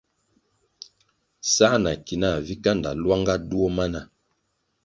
Sā na ki nah vi kanda lwanga duo mana.